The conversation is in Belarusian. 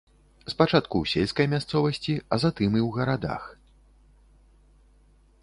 Спачатку ў сельскай мясцовасці, а затым і ў гарадах.